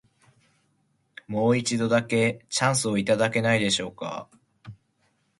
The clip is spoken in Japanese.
もう一度だけ、チャンスをいただけないでしょうか。